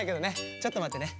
ちょっとまってね。